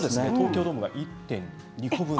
東京ドーム１．２個分。